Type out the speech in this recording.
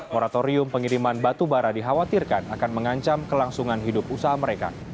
moratorium pengiriman batubara dikhawatirkan akan mengancam kelangsungan hidup usaha mereka